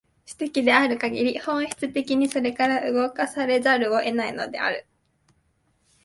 種的であるかぎり、本質的にそれから動かされざるを得ないのである。